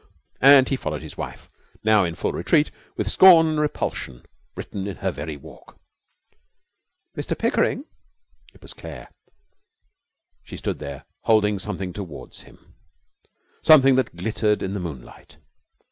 And he followed his wife, now in full retreat, with scorn and repulsion written in her very walk. 'Mr Pickering!' It was Claire. She stood there, holding something towards him, something that glittered in the moonlight.